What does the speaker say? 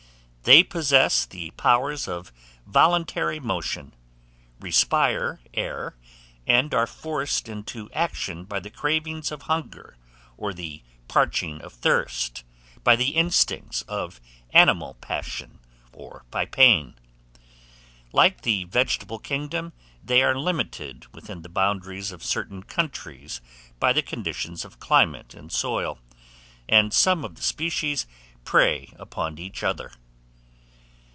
They possess the powers of voluntary motion, respire air, and are forced into action by the cravings of hunger or the parching of thirst, by the instincts of animal passion, or by pain. Like the vegetable kingdom, they are limited within the boundaries of certain countries by the conditions of climate and soil; and some of the species prey upon each other.